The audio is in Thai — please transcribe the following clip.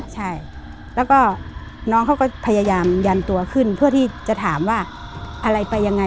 ใช่แล้วก็น้องเขาก็พยายามยันตัวขึ้นเพื่อที่จะถามว่าอะไรไปยังไง